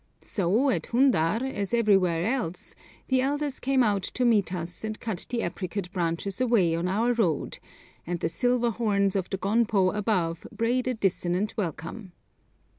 So at Hundar, as everywhere else, the elders came out to meet us and cut the apricot branches away on our road, and the silver horns of the gonpo above brayed a dissonant welcome.